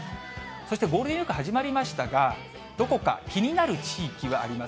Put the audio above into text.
そしてゴールデンウィーク始まりましたが、どこから気になる地域はあります？